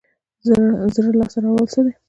زړه لاس ته راوړل څه دي؟